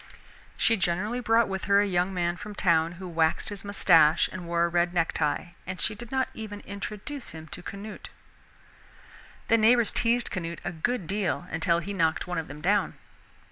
She generally brought with her a young man from town who waxed his mustache and wore a red necktie, and she did not even introduce him to Canute. The neighbors teased Canute a good deal until he knocked one of them down.